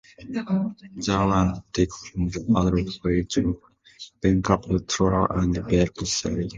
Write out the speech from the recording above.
The land was taken from the Adyar villages of Venkatapuram and Velachery.